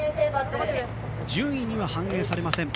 順位には反映されません。